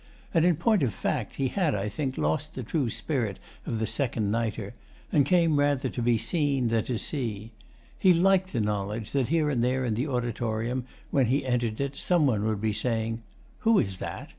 And in point of fact he had, I think, lost the true spirit of the second nighter, and came rather to be seen than to see. He liked the knowledge that here and there in the auditorium, when he entered it, some one would be saying 'Who is that?